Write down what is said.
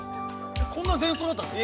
こんな前奏だったっけ？